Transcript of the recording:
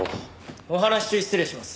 お話し中失礼します！